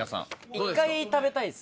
一回食べたいです。